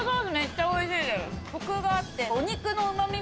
コクがあって。